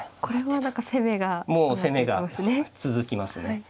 これは攻めがうまくいきますね。